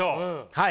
はい。